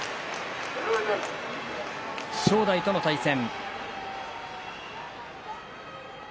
正代との対戦。